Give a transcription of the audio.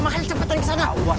makanya cepetan ke sana